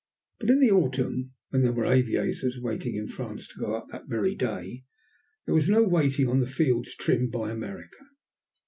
But in the autumn, when there were aviators waiting in France to go up that very day, there was no waiting on fields trimmed by America.